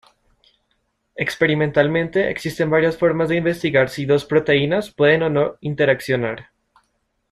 Experimentalmente, existen varias formas de investigar si dos proteínas pueden o no interaccionar.